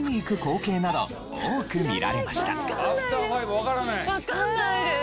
わかんないです。